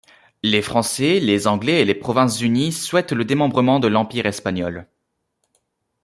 Les Français, les Anglais et les Provinces-Unies souhaitent le démembrement de l'empire espagnol.